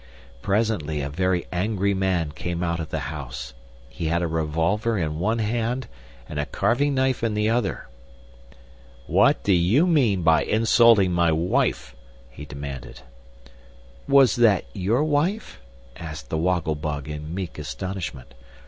Presently a very angry man came out of the house. He had a revolver in one hand and a carving knife in the other. "What do you mean by insulting my wife?" he demanded. "Was that your wife?" asked the Woggle Bug, in meek astonishment.